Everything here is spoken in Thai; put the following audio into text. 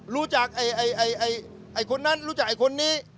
รู้จักไอ้ไอ้ไอ้ไอ้ไอ้คนนั้นรู้จักไอ้คนนี้